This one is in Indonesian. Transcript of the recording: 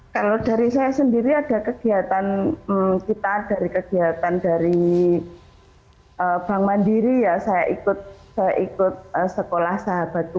kalau dari saya sendiri ada kegiatan kita dari kegiatan dari bank mandiri ya saya ikut sekolah sahabatku